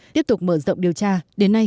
tiếp tục mở rộng điều tra đến nay